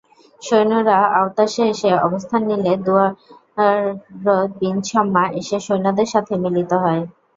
সৈন্যরা আওতাসে এসে অবস্থান নিলে দুরায়দ বিন ছম্মাহ এসে সৈন্যদের সাথে মিলিত হয়।